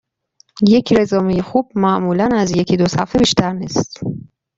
یک رزومه خوب معمولا از یکی دو صفحه بیشتر نیست.